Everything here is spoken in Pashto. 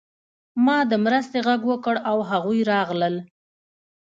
ما د مرستې غږ وکړ او هغوی راغلل